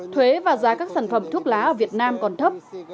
thuế và giá các sản phẩm thuốc lá ở việt nam còn thấp